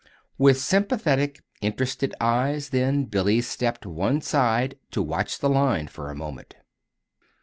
With sympathetic, interested eyes, then, Billy stepped one side to watch the line, for a moment.